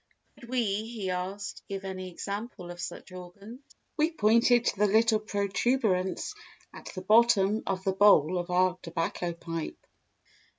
Could we, he asked, give any example of such organs? We pointed to the little protuberance at the bottom of the bowl of our tobacco pipe.